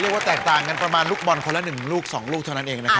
ว่าแตกต่างกันประมาณลูกบอลคนละ๑ลูก๒ลูกเท่านั้นเองนะครับ